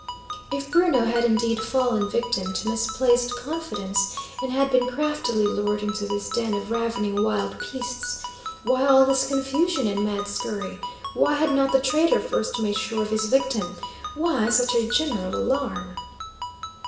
If Bruno had indeed fallen victim to misplaced confidence, and had been craftily lured into this den of ravening wild beasts, why all this confusion and mad skurry? Why had not the traitor first made sure of his victim? Why such a general alarm?